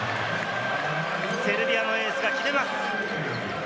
セルビアのエースが決めます。